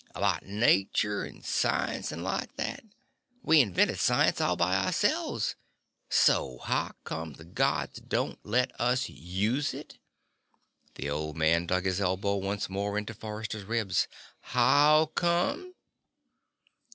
About nature and science and like that. We invented science all by ourselves. So how come the Gods don't let us use it?" The old man dug his elbow once more into Forrester's rib. "How come?"